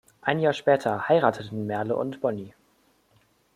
Ein Jahr später heirateten Merle und Bonnie.